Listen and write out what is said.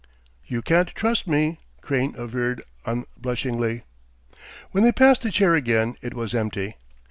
"You can't trust me," Crane averred unblushingly. When they passed the chair again it was empty.